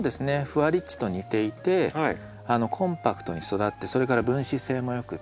ふわリッチと似ていてコンパクトに育ってそれから分枝性もよくって。